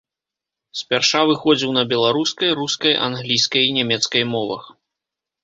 Спярша выходзіў на беларускай, рускай, англійскай і нямецкай мовах.